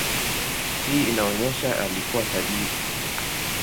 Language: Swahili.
Hii inaonyesha alikuwa tajiri.